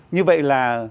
như vậy là